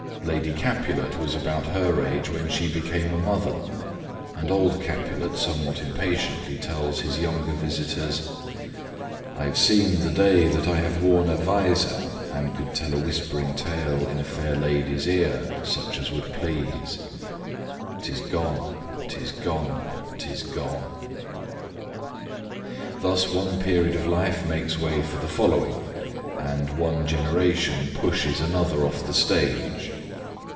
Lady Capulet was about her age when she became a mother, and old Capulet somewhat impatiently tells his younger visitors: I've seen the day, That I have worn a visor, and could tell A whispering tale in a fair lady's ear, Such as would please: 'tis gone, 'tis gone, 'tis gone. Thus one period of life makes way for the following, and one generation pushes another off the stage.